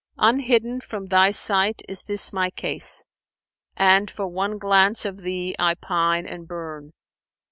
Unhidden from thy sight is this my case; * And for one glance of thee I pine and burn.